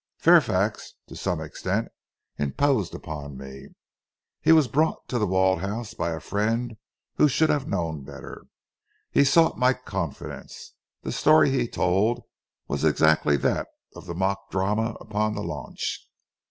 Fairfax to some extent imposed upon me. He was brought to The Walled House by a friend who should have known better. He sought my confidence. The story he told was exactly that of the mock drama upon the launch.